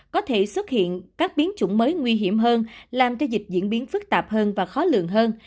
có thể xuất hiện các biến chủng mới nguy hiểm hơn làm cho dịch diễn biến phức tạp hơn và khó lường hơn